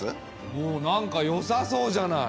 おっなんかよさそうじゃない。